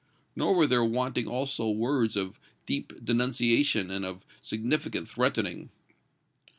Nor were there wanting also words of deep denunciation and of significant threatening.